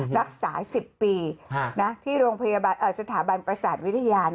รักษา๑๐ปีที่สถาบันประสาทวิทยา